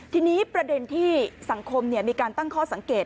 ทีนี้ประเด็นที่สังคมมีการตั้งข้อสังเกต